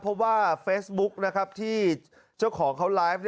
เพราะว่าเฟซบุ๊กที่เจ้าของเขาไลฟ์